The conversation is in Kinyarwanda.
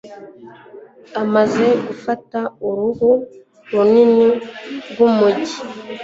umaze gufata uruhu runini rwumujyi